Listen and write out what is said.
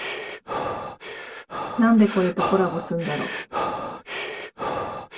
なんでこれとコラボすんだろ